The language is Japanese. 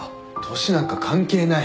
年なんか関係ない。